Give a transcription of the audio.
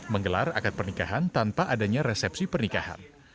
menggelar akad pernikahan tanpa adanya resepsi pernikahan